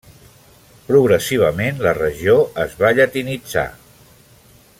Progressivament la regió es va llatinitzar.